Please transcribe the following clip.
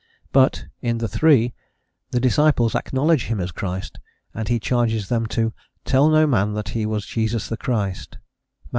But in the three the disciples acknowledge him as Christ, and he charges them to "tell no man that he was Jesus the Christ" (Matt.